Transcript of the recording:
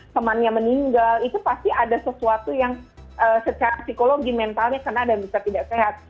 temannya meninggal itu pasti ada sesuatu yang secara psikologi mentalnya kena dan bisa tidak sehat